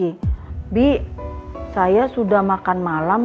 bi saya sudah makan malam